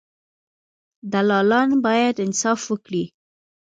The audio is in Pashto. دلالان باید انصاف وکړي.